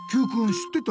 知ってた？